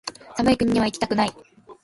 寒い国にはいきたくない